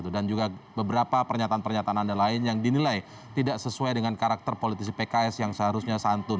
dan juga beberapa pernyataan pernyataan anda lain yang dinilai tidak sesuai dengan karakter politisi pks yang seharusnya santun